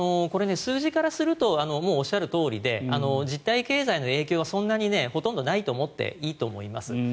数字からするとおっしゃるとおりで実体経済の影響は、そんなにほとんどないと思っていいと思います。